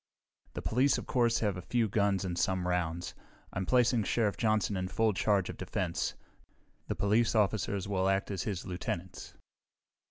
"The police, of course, have a few guns and some rounds. I'm placing Sheriff Johnson in full charge of defense. The police officers will act as his lieutenants."